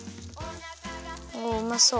おおうまそう。